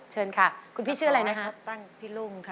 เชิญค่ะคุณพี่ชื่ออะไรนะครับ